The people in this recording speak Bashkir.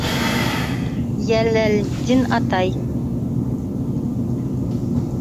Йәләлетдин атай